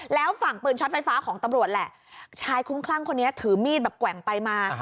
แล้วฝั่งปืนช็อตไฟฟ้าของตำรวจแหละชายคุ้มคลั่งคนนี้ถือมีดแบบแกว่งไปมา